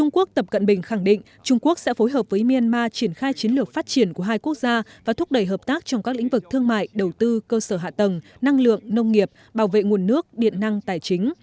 quốc tập cận bình khẳng định trung quốc sẽ phối hợp với myanmar triển khai chiến lược phát triển của hai quốc gia và thúc đẩy hợp tác trong các lĩnh vực thương mại đầu tư cơ sở hạ tầng năng lượng nông nghiệp bảo vệ nguồn nước điện năng tài chính